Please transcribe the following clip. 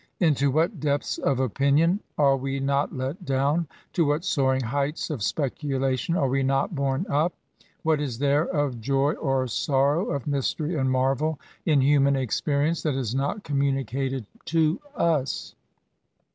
Into what depths of opinion are we not let down ! To what soaring heights of speculation are we not borne up ! What is there of joy or sorrow>of mystery and marvel, in human experience that is not communicated to us